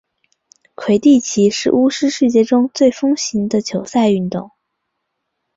魁地奇是巫师世界中最风行的球赛运动。